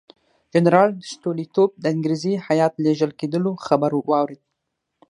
جنرال سټولیتوف د انګریزي هیات لېږل کېدلو خبر واورېد.